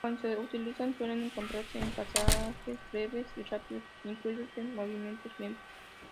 Cuando se utilizan suelen encontrarse en pasajes breves y rápidos incluidos en movimientos lentos.